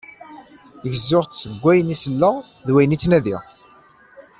Gezzuɣ-tt seg wayen i selleɣ d wayen i ttnadiɣ.